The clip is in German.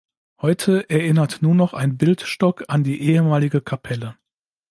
Heute erinnert nur noch ein Bildstock an die ehemalige Kapelle.